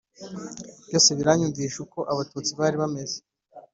byose biranyumvisha uko abatutsi bari bameze: